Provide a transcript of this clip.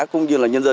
cũng như là nhân dân